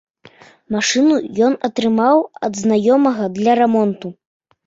Машыну ён атрымаў ад знаёмага для рамонту.